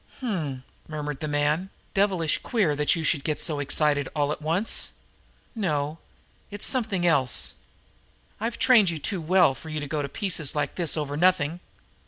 "H'm!" murmured the man. "Devilish queer that you should get so excited all at once. No, it's something else. I've trained you too well for you to go to pieces like this over nothing.